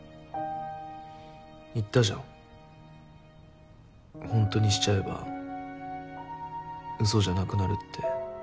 言ったじゃんほんとにしちゃえばうそじゃなくなるって。